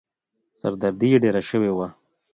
سر دردي يې ډېره شوې وه.